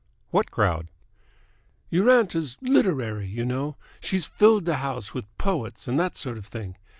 "What crowd?" "Your aunt is literary, you know. She's filled the house with poets and that sort of thing.